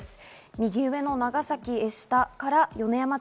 右上の長崎江下から米山町